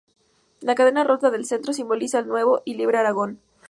La cadena rota del centro simboliza el nuevo y libre Aragón.